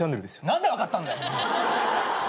何で分かったんだよ！